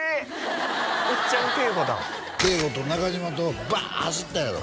うっちゃん圭悟だ圭悟と中島とバーッ走ったやろ？